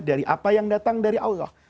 dari apa yang datang dari allah